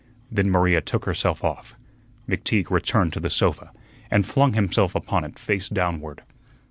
Then Maria took herself off. McTeague returned to the sofa and flung himself upon it face downward.